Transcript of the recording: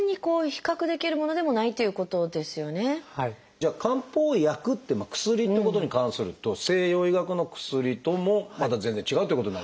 じゃあ漢方薬って薬っていうことに関すると西洋医学の薬ともまた全然違うっていうことになりますね当然。